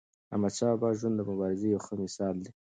د احمدشاه بابا ژوند د مبارزې یو ښه مثال دی.